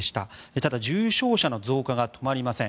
ただ、重症者の増加が止まりません。